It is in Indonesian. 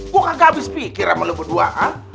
gue kagak habis pikir sama lo berdua hah